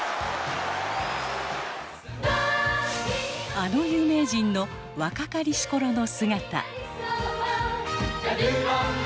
あの有名人の若かりし頃の姿。